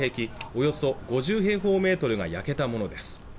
およそ５０平方メートルが焼けたものです